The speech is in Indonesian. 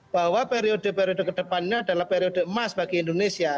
bahwa periode periode kedepannya adalah periode emas bagi indonesia